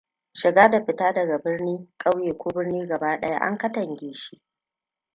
shiga da fita daga birni, ƙauye, ko birni gaba ɗaya an katange shi